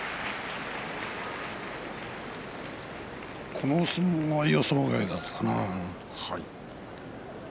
この相撲は予想外だったな。